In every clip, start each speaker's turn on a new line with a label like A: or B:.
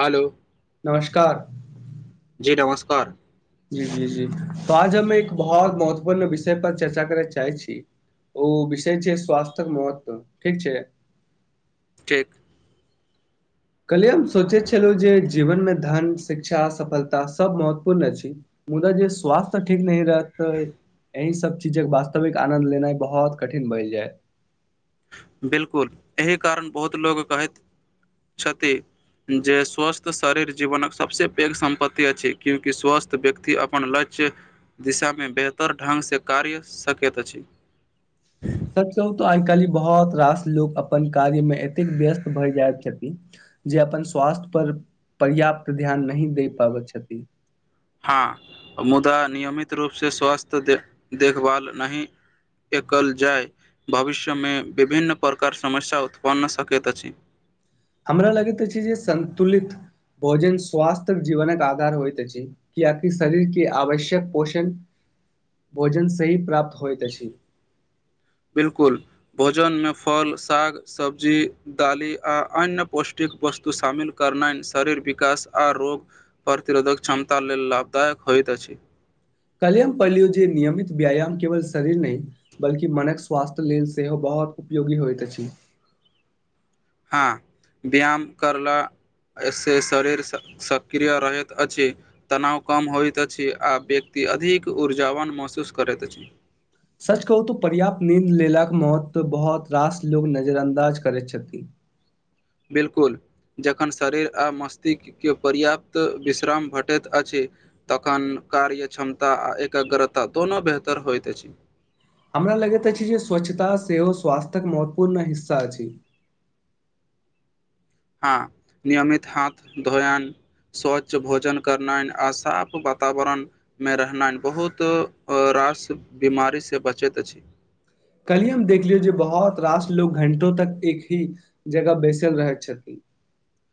A: Hello
B: नमस्कार
A: जी नमस्कार
B: जी जी जी त आज हम एक बहुत महत्वपूर्ण विषय पर चर्चा करै चाहैत छी। ओ विषय छैय, स्वास्थ्यक महत्व ठीक छैय।
A: ठीक
B: कहलियै हम सोचै छलहुँ जे जीवनमे धन, शिक्षा, सफलता सभ महत्वपूर्ण अछि। मुदा जे स्वास्थ ठीक नहि रह त एहि सब चीजक वास्तविक आनन्द लेनाइ बहुत कठिन भेल जाय।
A: बिलकुल एहि कारण बहुत लोक कहैत छथि जे स्वस्थ शरीर जीवनक सभसँ पैघ सम्पत्ति अछि, क्यूकि स्वस्थ व्यक्ति अपन लक्ष्य दिशामे बेहतर ढग कार्य सकैत अछि।
B: सच कहू तऽ आइ कालहि बहुत रास लोक अपन कार्य मे एतेक व्यस्त भए जाइत छथिन जे अपन स्वास्थ्य पर पर्याप्त ध्यान नहि दे पाबैत छथिन
A: हँ मुदा नियमित रूपसँ स्वास्थ्य दे देखभाल नहि एकल जाय भविष्य मे विभिन्न प्रकार समस्या उत्पन्न सकैत अछि
B: हमरा लगैत अछि छै जे संन्तुलित भोजन स्वास्थ्य जीवनक आधार होइत अछि कियाकि शरीरके आवश्यक पोषण भोजन सही प्राप्त होइत अछि
A: बिलकुल भोजन मे फल साग सब्जी दालि आ अन्य पौष्टिक वस्तु शामिल करनैय शरीर विकास आ रोग प्रतिरोधक क्षमता लेल लाभदायक हो होइत अछि
B: कलियम पढ़लियौ जे नियमित व्यायाम केवल शरीर नइ बल्कि मनक स्वास्थ्य लेल सेहो बहुत बहुत उपयोगी होइत अछि
A: [inaudible] हँ व्यायाम करला एहिस शरीर सक्रिय रहैत अछि तनाव कम होइत अछि आ व्यक्ति ईअधिक ऊर्जावान महसूस करैत अछि
B: कहू तऽ पर्याप्त नींद लेलाक महत्व बहुत रास लोग नजर अन्दाज करै छथि
A: बिलकुल जखन शरीर आ मस्तिष्कके पर्याप्त विश्राम भेटैत अछि तखन कार्य क्षमता आ एकाग्रता दोनो बेहतर होइत अछि
B: हमरा लगैत अछि जे स्वच्छता सेहो स्वास्थयक महत्वपूर्ण हिस्सा अछि
A: [inaudible] हँ नियमित हाथ धोयान स्वच्छ भोजन करनाइ आ साफ वातावरण मे रहनाइ बहुत आस बीमारीसँ बचैत अछि
B: कल्हि हम देखलियौ जे बहुत रास लोग घंटो तक एक ही जगह बैसल रहैत छथिन
A: [inaudible]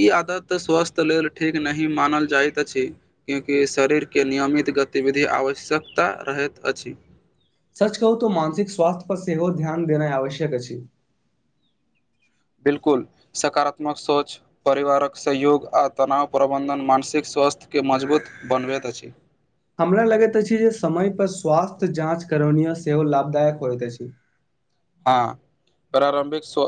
A: ई आदत स्वास्थय लेल ठीक नहि मानल जाइत अछि क्यँकि शरीरके नियमित गतिविधि आवश्यकता रहैत अछि
B: सच कहू त मानसिक स्वास्थ्य पर सेहो ध्यान देनाइ आवश्यक अछि
A: बिलकुल सकारात्मक सोच परिवारक सहयोग आ तनाव प्रबन्धन मानसिक स्वास्थय के मजबूत बनबैत अछि
B: हमरा लगैत अछि जे समय पर स्वास्थय जाँच करौनिय सेहो लाभदायक होइत अछि
A: हँ प्रारम्भिक स्व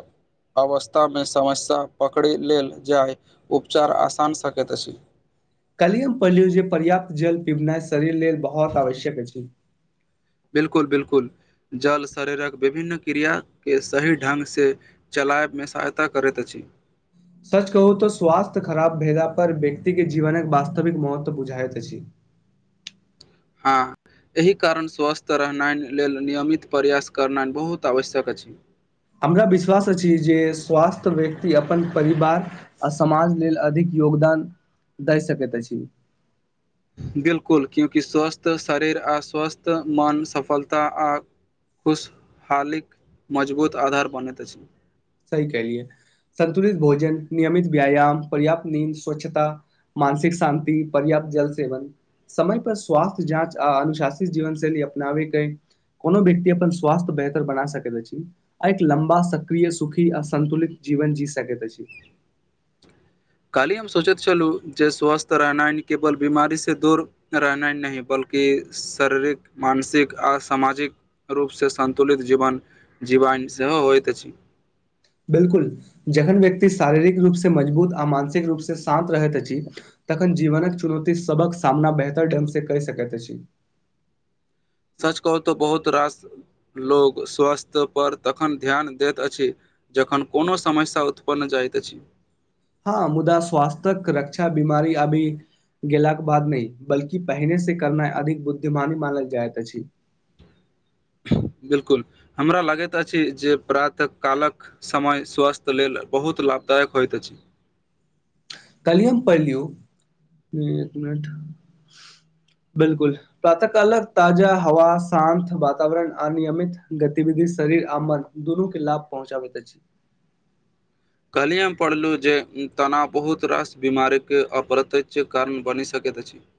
A: अवस्थामे समस्या पकड़ि लेल जाय उपचार आसान सकैत अछि
B: कल्हि हम पढ़लियो जे पर्याप्त जल पिबनाइ शरीर लेल बहुत आवश्यक अछि
A: बिलकुल बिलकुल जल शरीरक विभिन्न क्रिया के सही ढंग से चल लाइफमे सहायता करैत अछि
B: सच कहू त स्वास्थय खराब भेला पर व्यक्ति के जीवन वास्तविक महत्व बुझाइत अछि
A: हँ एहि कारण स्वस्थ रहनाइ लेल नियमित प्रयास करनाइ बहुत आवश्यक अछि
B: हमरा विश्वास अछि जे स्वास्थय व्यक्ति अपन परिवार आ समाज लेल अधिक योग दान दए सकैत अछि
A: बिलकुल क्यँकि स्वस्थ शरीर आ स्वस्थ मन सफलता आ खुशहालीक मजबूत आधार बनैत अछि
B: केलिय संनतुलित भोजन नियमित व्यायाम पर्याप्त नींद स्वच्छता मानसिक शान्ति पर्याप्त जल सेवन समय पर स्वास्थय जाँच अनुशासित जीवन शैली अपनावेके कोनो व्यक्ति अपन स्वासथ बेहतर बना सकैत अछि आ एक लम्बा सक्रिय सुखि की असन्तुलित जीवन जी सकै छी
A: काल्हि हम सोचैत छलहुू जे स्वस्थ रहनाइ केवल बीमारी से दूर रहनाइ नहि ब कि शारीरिक मानसिक आ सामाजिक रूपसँ सन्तुलित जीवन जीवन सेहो होइत अछि
B: बिलकुल जखन व्यक्ति शारीरिक रूप से मजबूत आ मानसिक रूप से शान्त रहैत अछि तखन जीवनक चुनौती सबक सामना बेहतर ढंग से करि सकैत अछि
A: [inaudible] सच कहू तऽ बहुत रास लोग स्वास्थय पर तखन ध्यान दैत अछि जखन कोनो समस्या उत्पन्न जाइत अछि
B: हँ मुदा स्वास्थक रक्षा बीमारी अभी गेलाक बाद नहि बल्कि पहिने से करनाइ अधिक बुद्धिमानी मानल जाइत अछि
A: [inaudible] बिलकुल हमरा लगैत अछि जे प्रातः कालक समय स्वास्थ लेल बहुत लाभ लभदायक होइत अछि
B: कलि हम पढ़ लियौ एक मिनट बिलकुल प्रातः कालक ताजा हवा शान्त वातावरण अनियमित गतिविधि शरीर आ मन दुनू के लाभ पहुँचाबैत अछि
A: [inaudible] कहलियएमे पढ़लहुँ जे तनाव बहुत रास बीमारी के अप्रतच कारण बनि सकैत अछि [inaudible]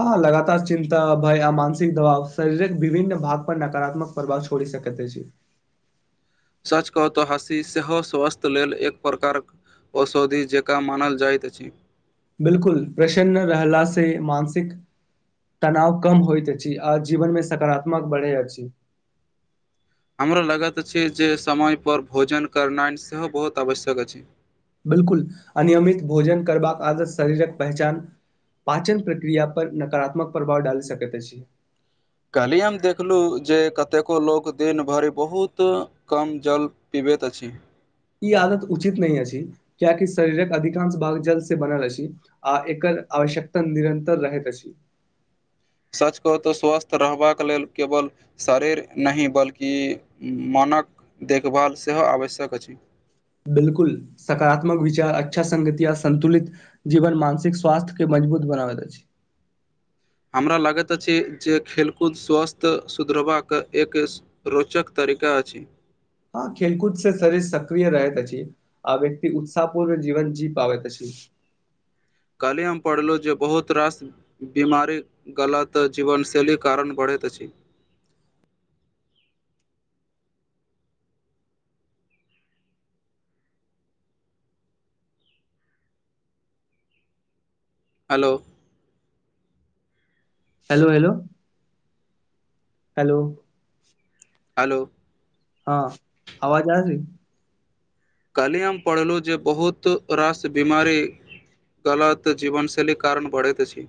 B: हँ लगातार चिन्ता भय आ मानसिक दबाव शरीरक विभिन्न भाग पर नकारात्मक प्रभाव छोड़ी सकत अछि
A: सच कऽ तो हसी सेहो स्वस्थ्य लेल एक प्रकारक औषधि जकाँ मानल जाइत अछि
B: बिलकुल प्रसन्न रहला से मानसिक तनाव कम होइत अछि आ जीवनमे सकारात्मक बढ़ै अछि
A: हमरा लगैत अछि जे समयपर भोजन करनाइ सेहो बहुत आवश्यक अछि
B: बिलकुल अनियमित भोजन करबाक आदत शरीरक पहचान पाचन प्रक्रिया पर नकारात्मक प्रभाव डालि सकैत अछि
A: कहलिय हम देखलू जे कतेको लोक दिन भरि बहुत कम जल पीबै बैत अछि
B: ई आदत उचित नहि अछि, कियाकि शरीरक अधिकांश भाग जल्द से बनल अछि, आ एकर आवश्यकता निरन्तर रहैत अछी।
A: [inaudible] सच कह तऽ स्वस्थ रहबाक लेल केवल शरीर नहि बल्कि मान मनक देखभाल सेहो आवश्यक अछि
B: बिलकुल सकारात्मक विचार अच्छा संगतिया संन्तुलित जीवन मानसिक स्वाथ्य के मज मजबूत बनाबैत अछी
A: [inaudible] हमरा लागैत अछि जे खेलकूद स्वास्थ्य सुधरबाक एक रोचक तर तरीका अछि
B: हँ खेलकूद से शरीर सक्रिय रहैत अछी आ व्यक्ति उत्साहपूर्व जीवन जी पाबैत छी
A: [inaudible] काल्हि हम पढ़लहुँ जे बहुत रास बीमारी गलत जीवनशैली कारण बढ़ै हैत अछि hello
B: hello hello hello
A: hello
B: हँ आवाज आ
A: कहलियै हम पढ़लहुँ जे बहुत रास बिमारी गलत जीवनशैली कारण बढ़ैत अछि।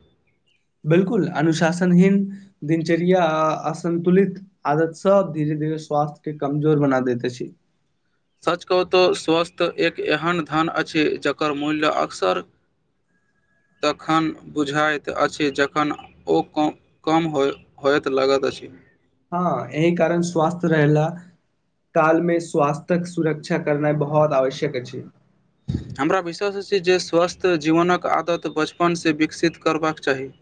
B: बिलकुल अनुशासनहीन दिंचर्या असन्तुलित आदत सब धीरे स्वास्थ्य के कमजोर बना देैते अछि।
A: सच कहू त स्वस्थ एक एहन धन अछि जकर मूल्य अक्सर [inaudible] तखन बुझाइत अछि जखन ओ कम कम होय होयइत लगैत अछि।
B: हँ एहि कारण स्वस्थ रहला कालमे स्वास्थक सुरक्षा करनाय बहुत आवश्यक अछि।
A: [inaudible] हमरा विश्वास अछि जे स्वस्थ जीवनक आदत बचपनसँ विकसित करबाक चाही। [inaudible]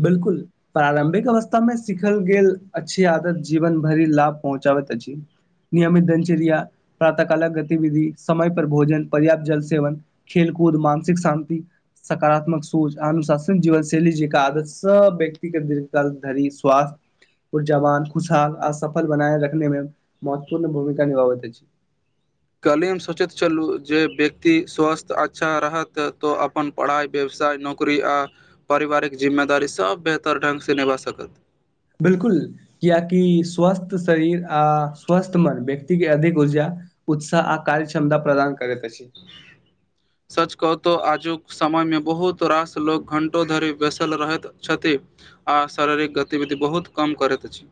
B: बिलकुल प्रारंभिक अवस्थामे सिखल गेल अच्छी आदत जीवन भरि लाभ पहुँचा करैत अछि। नियमित दिनचर्या प्रातःकालक गतिविधि समय पर भोजन पर्याप्त जल सेवन खेल कुद मानसिक शांति सकारात्मक सोच अनुशासन जीवनशैली जी क आदर् स व्यक्ति के दीर्घकाल धरि स्वास्थ्य ओ जवान खुशहाल आ सफल बनाय रखने में महत्वपूर्ण भूमिका निभाबैत अछि।
A: [inaudible] कलीम सोचैत छललू जे व्यक्ति स्वस्थ अच्छा रहत तऽ अपन पढ़ाइ व्यवसाय साय नौकरी आ पारिवारिक जिम्मेदारी सब बेहतर ढंग से निभा सकत
B: बिलकुल किया कि स्वस्थ शरीर आ स्वस्थ मन व्यक्ति अधिक ऊर्जा उत्साह आ कार्य क्षमता प्रदान करैत अछि।
A: त आजुक समयमे बहुत रास लोक घंटो धरि बैसल रहैत छथि आ स शारीरिक गतिविधि बहुत कम करैत अछि।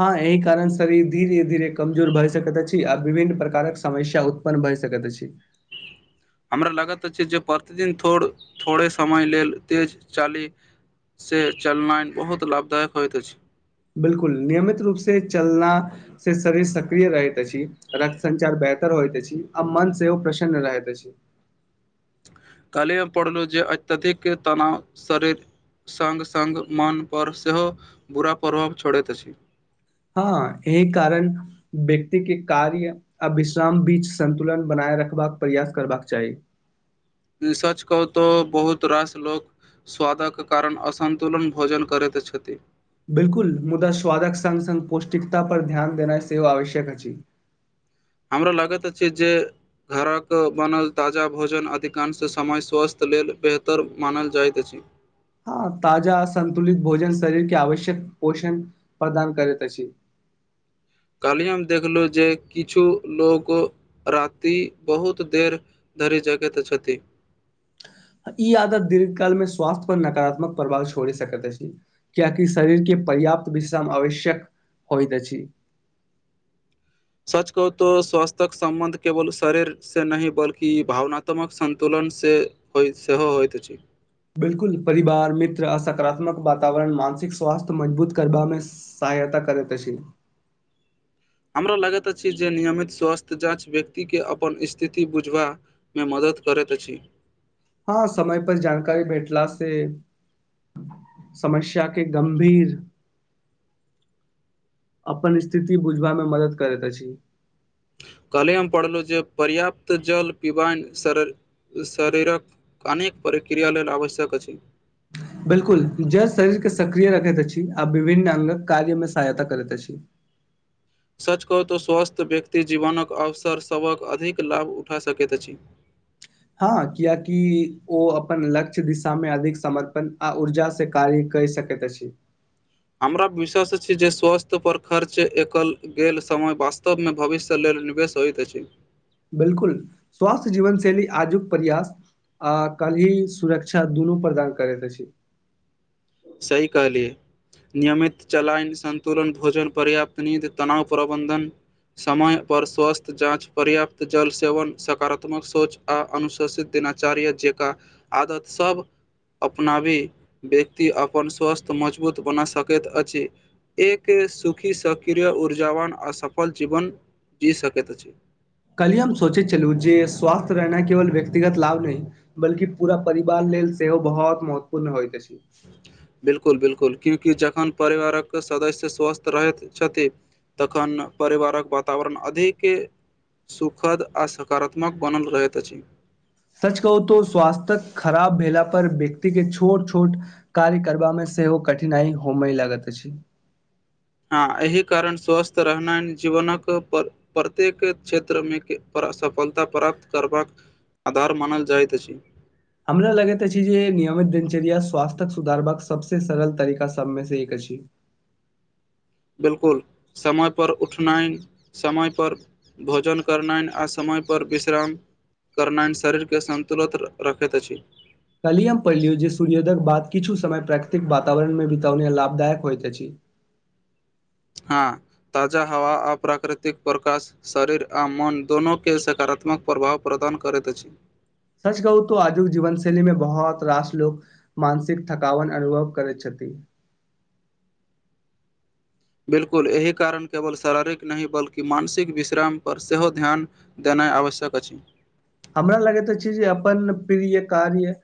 B: हँ एहि कारण शरीर धीरे धीरे कमजोर भए सकैत अछि आ विभिन्न प्रकारक समस्या उत्पन्न भ सकैत अछि
A: [inaudible] हमरा लागत अछि जे प्रतिदिन थोर थोड़े समय लेल तेज चाली से चलनाइन बहुत लाभदायक होइत अछि।
B: बिलकुल नियमित रूप से चलना से शरीर सक्रिय रहैत अछि रक्त संचार व बेहतर होइते आ मन सेहो प्रसन्न रहैते अछि
A: कालहे हम पड़लहु जे अत्यधिक तनाव शरीर संग संग मनपर सेहो बुरा प्रभाव छोड़ैत अछि
B: हँ यही कारण व्यक्ति के कार्य आ विश्राम बीच संतुलन बनाए रखबाक प्रयास करबाक चाही।
A: सच कहू तो बहुत रास लोक स्वादक कारण असन्तुलन भोजन करैत छथि।
B: बिलकुल मुदा स्वादक संग संग पौष्टिकता पर ध्यान देनाइ सेहो आवश्यक अछि।
A: हमरा लागत अछि जे घरक बनल ताजा भोजन अधिकांश समय स्वास्थ्य लेल बेहतर मानल जाइत अछि।
B: हँ ताजा संतुलित भोजन शरीरके आवश्यक पोषण प्रदान करैत अछि।
A: [inaudible] कहलियै हम देखलहु जे किछु लोको राति बहुत देर धरी जगह तऽ छथि।
B: ई आदत दीर्घकाल मे स्वास्थ्य पर नकारात्मक प्रभाव छोड़ि सकैत अछि कियाकि शरीरके पर्याप्त विश्राम आवश्यक होइत अछि।
A: [inaudible] सच कहु त स्वास्थ्य्यक संबन्ध केवल शरीर से नहि बल्कि भावनात्मक संतुलन से होय सेहो होइत अछि।
B: बिलकुल परिवार मित्र आ सकारात्मक वातावरण मानसिक स्वास्थ्य मजबूत करबामे स सहायता करैत अछि
A: [inaudible] हमरा लागैत अछि जे नियमित स्वास्थ्य जाँच व्यक्तिके अपन स्थिति बुझबामे मदद करै [unintelligible] अछि
B: हँ समय पर जानकारी भेठला से समस्या के गंभीर अपन स्थिति बुझबामे मदद करैत अछि
A: कलही हम पढ़लहुँ जे पर्याप्त जल पिबइ शरिर शरीरक अनेक प्रक्रिया लेल आवश्यक अछि
B: बिलकुल जर शरीर के सक्रिय रखैत अछि आ विभिन्न अंगक कार्य में सहायता करैत अछि
A: [inaudible] सच कहऽ तऽ स्वस्थ्य व्यक्ति जीवनक अवसर सभक अधिक लाभ उठा सकैत अछि
B: हँ कियाकि ओ अपन लक्ष्य दिशामे अधिक समर्पण आ ऊर्जा से कार्य कहि सकैत अछि
A: हमरा विश्वास अछि जे स्वास्थ्य पर खर्च एकल गेल समय वास्तवमे भविष्य लेल निवेश होइत अछि
B: बिलकुल स्वास्थ्य जीवन शैली आजुक प्रयास आ कलही सुरक्षा दून प्रदान करै अछि
A: सही कहलिये नियमित चलायन संन्तुलन भोजन पर्याप्त निंद तनाव प्रबन्धन समय पर स्वस्थ्य जाँच पर्याप्त जल सेवन सकारात्मक सोच आ अनुशूचित देश आचार्य जेका आदत सभ अपनाबी व्यक्ति व्यक्ति अपन स्वास्थ्य मजबूत बना सकैत अछि एक सुखी सक्रिय ऊर्जा अपन असफल जीवन जी सकैत अछि
B: कल्हि हम सोचैत छललू जे स्वास्थ्य रहना केवल व्यक्तिगत लाभ नहि बल्कि पूरा परिवार लेल सेहो बहुत महत्वपूर्ण होइइत अछि
A: बिलकुल बिलकुल क्योकि जखन परिवारक सदस्य स्वस्थ रहैत छथिन तखन परिवारक वातावरण अधिक सुखद आ सकारात्मक बनल रहैत अछि
B: सच कहू त स्वास्थ्य खराब भेलला पर व्यक्ति के छोट छोट कार्य करबामे स से ओ कठिनाइ होमे लागत अछी
A: हँ एहि कारण स्वस्थ रहना जीवनक प्रत्येक क्षेत्रम केे प्र सफलता प्राप्त करबाक आधार मानल जाइत अछि
B: हमरा लगैत अछि जे नियमित दिनचर्या स्वास्थ्यक सुधारबाक सबसे सरल तरीका सबमे से एक अछि अछि
A: [inaudible] बिलकुल समय पर उठनाइ समय पर भोजन करनाइन आ समय पर विश्राम करनाइ शरीरके संन्तुलित रखैत अछि
B: कलियम पहिलियू जे सूर्योदयक बाद किछु समय प्राकृतिक वातावरण मे बितौने लाभदायक होइत अछि
A: [inaudible] हँ ताजा हवा आ प्राकृतिक प्रकाश शरीर आ मन दोनो के शकार सकारात्मक प्रभाव प्रदान करैत अछि
B: सच कहू तो आजुक जीवन शैली मे बहुत रास लोक मानसिक थकावन अनुभव करैत छथि ती
A: बिलकुल एहि कारण केवल शारीरिक नहि बल्कि मानसिक विश्राम पर सेहो ध्यान देना आवश्यक अछि
B: हमरा लगैत अछि जे अपन प्रिय कार्य